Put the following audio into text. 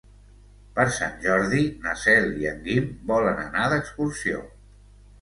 Per Sant Jordi na Cel i en Guim volen anar d'excursió.